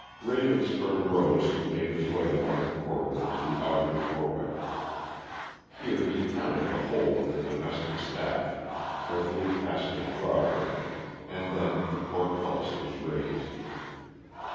Ravenspur rose and made his way along the corridor to the outer doorway. Here he counted the whole of the domestic staff, carefully passed the drawbridge and then the portcullis was raised.